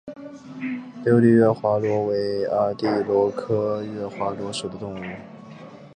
玻璃月华螺为阿地螺科月华螺属的动物。